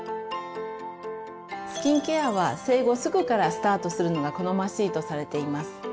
スキンケアは生後すぐからスタートするのが好ましいとされています。